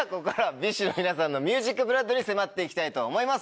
ＢｉＳＨの皆さんのＭＵＳＩＣＢＬＯＯＤに迫って行きたいと思います。